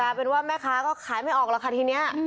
แต่เป็นว่าแม่คะก็ขายไม่ออกแล้วค่ะทีนี้